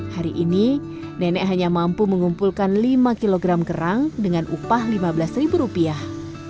hari ini nenek hanya mampu mengumpulkan lima kg kerang dengan upah lima belas ribu rupiah